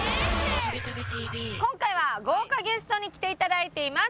今回は豪華ゲストに来て頂いています。